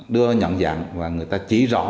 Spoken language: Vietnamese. đưa nhận dạng và người ta chỉ rõ